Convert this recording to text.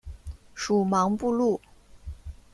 属茫部路。